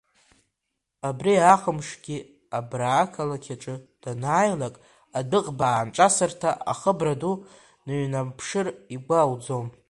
Абри ахымшкгьы абра, ақалақь аҿы данааилак, адәыӷба аанҿасырҭа ахыбра ду дныҩнамԥшыр игәы иауӡом.